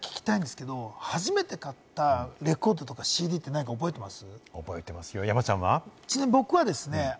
じゃあ聞きたいんですけれども、初めて買ったレコードとかＣＤって何か覚えてます？